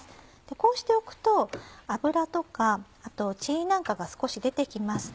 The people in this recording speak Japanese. こうしておくと脂とかあと血なんかが少し出て来ます。